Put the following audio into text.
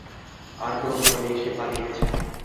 আর কোনো ভয় নেই, সে পালিয়ে গেছে।